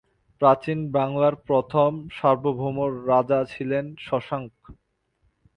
প্রাচীন বাংলার প্রথম সার্বভৌম রাজা ছিলেন শশাঙ্ক।